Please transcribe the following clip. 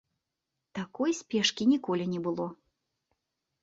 Такой спешкі ніколі не было.